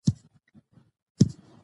طلا د افغانستان د بڼوالۍ برخه ده.